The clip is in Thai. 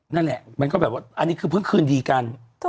นั่นแหละมันก็แบบว่า